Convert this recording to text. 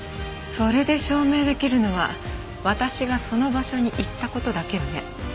それで証明できるのは私がその場所に行った事だけよね。